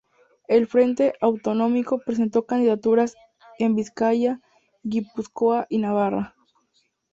El Frente Autonómico presentó candidaturas en Vizcaya, Guipúzcoa y Navarra.